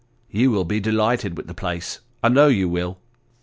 You will be delighted with the place ; I know you will.